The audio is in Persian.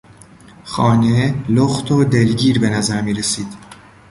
خانه لخت و دلگیر به نظر میرسید.